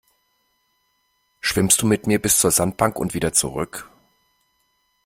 Schwimmst du mit mir bis zur Sandbank und wieder zurück?